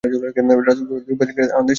রসোগোল্লায় ডুইব্বা থাহি আনন্দের আর সীমা নাই।